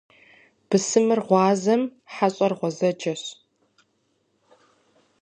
Бысымыр гъуазэм, хьэщӏэр гъуэзэджэщ.